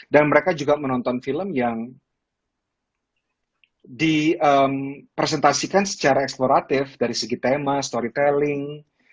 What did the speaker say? dan mereka juga menonton film yang dipresentasikan secara eksploratif dari segi tema storytelling